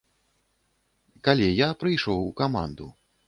Калі я прыйшоў у каманду.